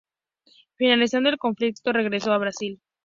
Finalizado el conflicto regresó a Brasil.